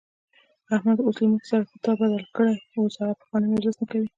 احمد اوس له موږ سره تار بدل کړی، اوس هغه پخوانی مجلس نه کوي.